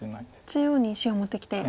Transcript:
中央に石を持ってきて。